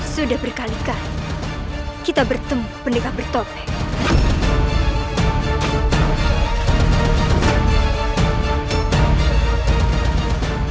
sudah berkalikan kita bertemu pendekat bertopeng